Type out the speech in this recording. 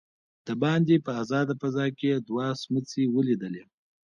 دباندې په آزاده فضا کې يې دوه سمڅې وليدلې.